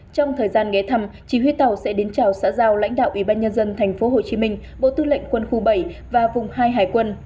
trong thời gian ghé thăm chỉ huy tàu sẽ đến chào xã giao lãnh đạo ủy ban nhân dân thành phố hồ chí minh bộ tư lệnh quân khu bảy và vùng hai hải quân